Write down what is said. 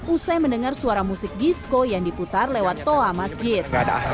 usai mendengar suara musik disco yang diputar lewat toa masjid